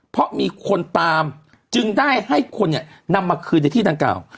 เพราะมีคนตามจึงได้ให้คนเนี่ยนำมาคืนในที่ดังกล่าว